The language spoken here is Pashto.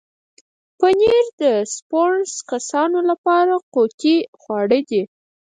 پنېر د سپورټس کسانو لپاره قوتي خواړه دي.